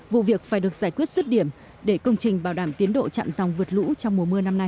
vụ việc phải được giải quyết rứt điểm để công trình bảo đảm tiến độ chặn dòng vượt lũ trong mùa mưa năm nay